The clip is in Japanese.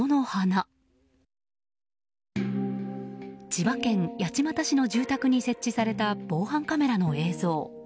千葉県八街市の住宅に設置された、防犯カメラの映像。